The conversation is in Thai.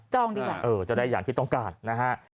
ดีกว่าเออจะได้อย่างที่ต้องการนะฮะ